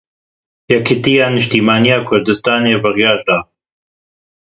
Yêkîtiya Niştimaniya Kurdistanê biryar da.